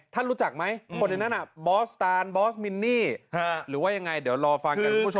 รู้จักไหมคนในนั้นบอสตานบอสมินนี่หรือว่ายังไงเดี๋ยวรอฟังกันคุณผู้ชม